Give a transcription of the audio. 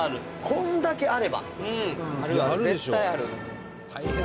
「こんだけあれば」